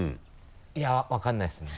いや分からないですね。